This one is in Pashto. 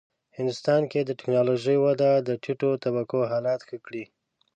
هندوستان کې د ټېکنالوژۍ وده د ټیټو طبقو حالت ښه کړ.